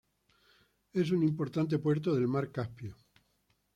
Es un importante puerto del mar Caspio.